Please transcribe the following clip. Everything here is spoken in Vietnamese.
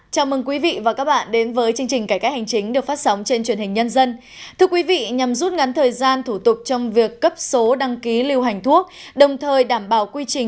cảm ơn các bạn đã theo dõi